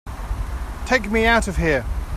Take me out of here!